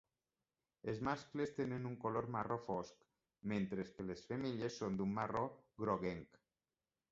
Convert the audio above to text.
Els mascles tenen un color marró fosc, mentre que les femelles són d'un marró groguenc.